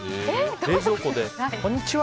冷蔵庫で、こんにちは！